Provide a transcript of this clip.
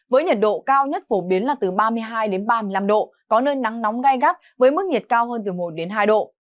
với nhiệt độ cao nhất phổ biến là từ ba mươi hai đến ba mươi năm độ có nơi nắng nóng gai gắt với mức nhiệt cao hơn từ một hai độ